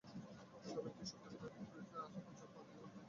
তবে একটি সূত্রের দাবি, ক্রুইফের আসা পেছানো মানে জার্মান পাল্লাটা এখন ভারী।